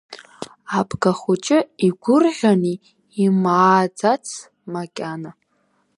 Абгахәыҷы игәырӷьаны имааӡац макьана.